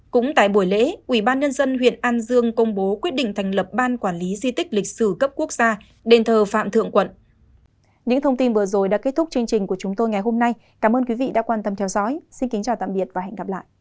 cũng tại buổi lễ ubnd huyện an dương công bố quyết định thành lập ban quản lý di tích lịch sử cấp quốc gia đền thờ phạm thượng quận